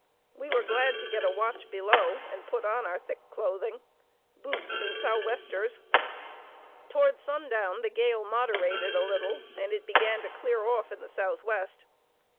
We were glad to get a watch below, and put on our thick clothing, boots, and southwesters. Toward sundown the gale moderated a little, and it began to clear off in the southwest.